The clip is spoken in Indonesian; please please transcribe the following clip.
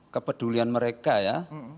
kepedulian mereka ya